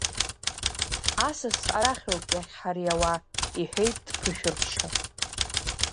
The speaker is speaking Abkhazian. Асасцәа арахьоуп иахьҳариауа, — иҳәеит дԥышәырччо.